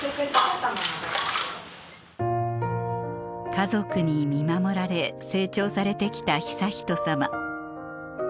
家族に見守られ成長されてきた悠仁さま